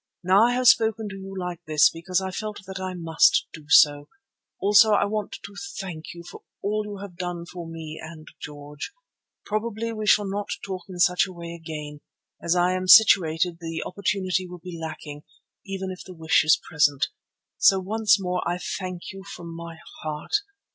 Now I have spoken to you like this because I felt that I must do so. Also I want to thank you for all you have done for me and George. Probably we shall not talk in such a way again; as I am situated the opportunity will be lacking, even if the wish is present. So once more I thank you from my heart.